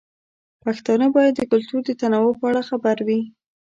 پښتانه باید د کلتور د تنوع په اړه خبر وي.